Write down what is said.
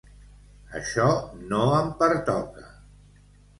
Això no em pertoca.